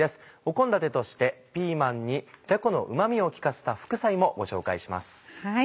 献立としてピーマンにじゃこのうまみを利かせた副菜もご紹介します。